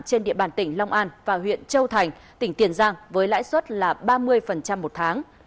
trên địa bàn tỉnh long an và huyện châu thành tỉnh tiền giang với lãi suất là ba mươi một tháng